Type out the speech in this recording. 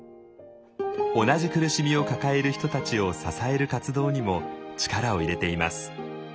同じ苦しみを抱える人たちを支える活動にも力を入れています。